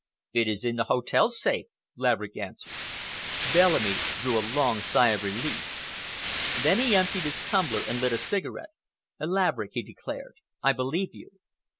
"It is in the hotel safe," Laverick answered. Bellamy drew a long sigh of relief. Then he emptied his tumbler and lit a cigarette. "Laverick," he declared, "I believe you."